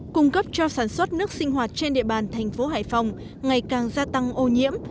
cung cấp cho sản xuất nước sinh hoạt trên địa bàn thành phố hải phòng ngày càng gia tăng ô nhiễm